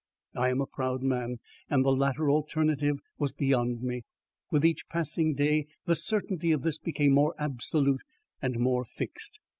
I am a proud man, and the latter alternative was beyond me. With each passing day, the certainty of this became more absolute and more fixed.